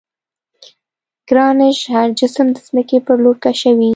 ګرانش هر جسم د ځمکې پر لور کشوي.